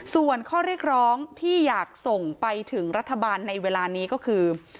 ส่วนข้อเรียกร้องที่อยากส่งไปถึงรัฐบาลในเวลานี้ก็คือ